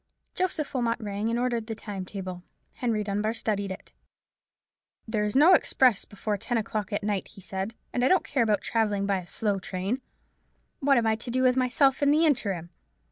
Joseph Wilmot rang, and ordered the time table; Henry Dunbar studied it. "There is no express before ten o'clock at night," he said; "and I don't care about travelling by a slow train. What am I to do with myself in the interim?"